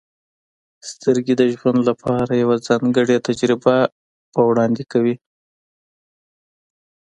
• سترګې د ژوند لپاره یوه ځانګړې تجربه وړاندې کوي.